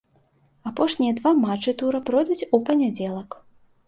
Апошнія два матчы тура пройдуць у панядзелак.